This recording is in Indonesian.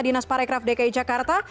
dinas pariwisata dki jakarta